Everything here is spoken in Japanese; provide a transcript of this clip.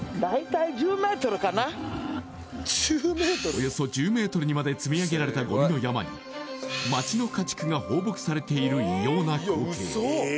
およそ１０ｍにまで積み上げられたゴミの山に街の家畜が放牧されている異様な光景